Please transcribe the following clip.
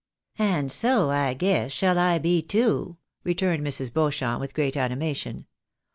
" And so, I guess, sliall I be too !" returned Mrs. Beauchamp, ■with great animation.